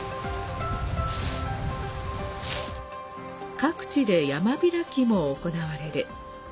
各地で山開きも行われる。